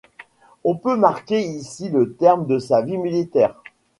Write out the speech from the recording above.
On peut marquer ici le terme de sa vie militaire.